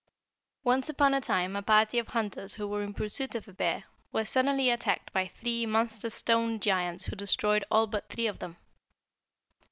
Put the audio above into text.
"Once upon a time a party of hunters who were in pursuit of a bear were suddenly attacked by three monster stone giants who destroyed all but three of them.